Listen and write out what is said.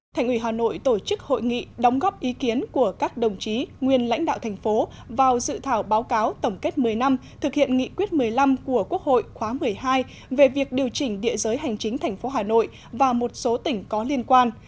thành ủy hà nội tổ chức hội nghị đóng góp ý kiến của các đồng chí nguyên lãnh đạo thành phố vào dự thảo báo cáo tổng kết một mươi năm thực hiện nghị quyết một mươi năm của quốc hội khóa một mươi hai về việc điều chỉnh địa giới hành chính thành phố hà nội và một số tỉnh có liên quan